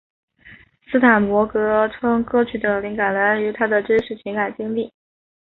斯坦伯格称歌曲的灵感来源于他的真实情感经历。